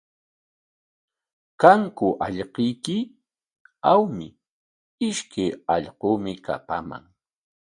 ¿Kanku allquyki? Awmi, ishkay allquumi kapaman.